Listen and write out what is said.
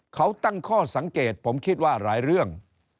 เขาตั้งข้อสังเกตผมคิดว่าหลายเรื่อง